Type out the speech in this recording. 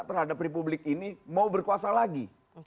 terhadap republik ini mau berkuasa lagi